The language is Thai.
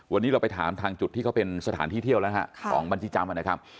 วันนี้เราไปถามทางจุดที่เขาเป็นสถานที่เที่ยวแล้วฮะของบัญชีจำนะครับ